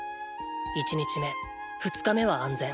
１日目２日目は安全。